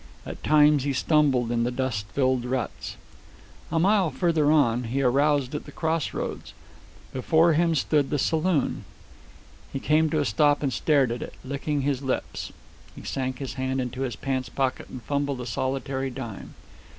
At times he stumbled in the dust filled ruts. A mile farther on, he aroused at the crossroads. Before him stood the saloon. He came to a stop and stared at it, licking his lips. He sank his hand into his pants pocket and fumbled a solitary dime.